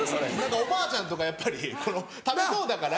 おばあちゃんとかやっぱり食べそうだから。